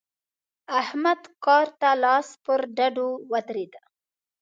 احمد کار ته لاس پر ډډو ودرېد.